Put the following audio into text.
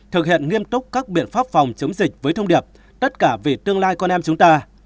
thực hiện nghiêm túc các biện pháp phòng chống dịch với thông điệp tất cả vì tương lai con em chúng ta